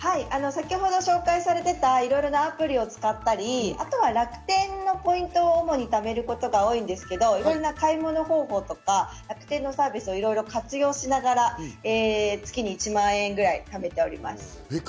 先程紹介されていた、いろいろなアプリを使ったり、あとは楽天のポイントを主に貯めることが多いんですけど、いろいろな買い物方法とか楽天のサービスを活用しながら月に１万円くらい貯めております。